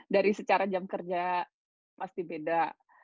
dari secara jam kerja pasti beda